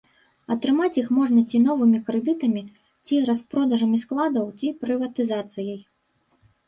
Атрымаць іх можна ці новымі крэдытамі, ці распродажам складоў, ці прыватызацыяй.